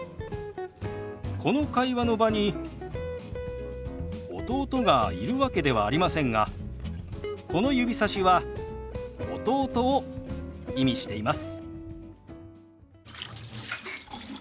この会話の場に弟がいるわけではありませんがこの指さしは弟を意味しています。